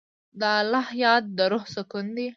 د الله یاد د روح سکون دی.